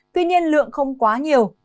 tuy nhiên lượng không quá nhiều